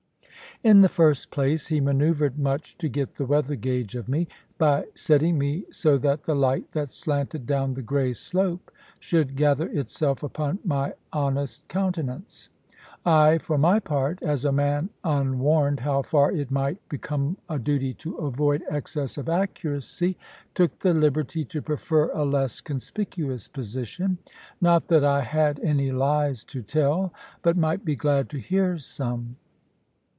In the first place, he manœuvred much to get the weather gage of me, by setting me so that the light that slanted down the grey slope should gather itself upon my honest countenance. I for my part, as a man unwarned how far it might become a duty to avoid excess of accuracy, took the liberty to prefer a less conspicuous position; not that I had any lies to tell, but might be glad to hear some.